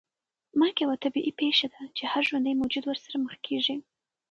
مرګ یوه طبیعي پېښه ده چې هر ژوندی موجود ورسره مخ کېږي.